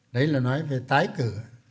đấy là nói về tái cử